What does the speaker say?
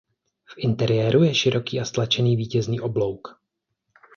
V interiéru je široký a stlačený vítězný oblouk.